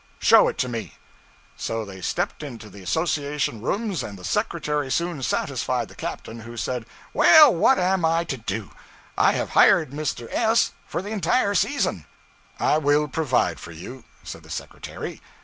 'Show it to me.' So they stepped into the association rooms, and the secretary soon satisfied the captain, who said 'Well, what am I to do? I have hired Mr. S for the entire season.' 'I will provide for you,' said the secretary.